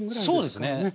そうですね。